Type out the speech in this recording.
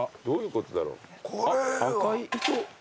どういうことだろう？